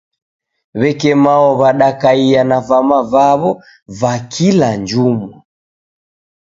Weke mao wadakaia na vama vawo va kila jumwa.